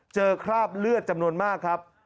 คราบเลือดจำนวนมากครับ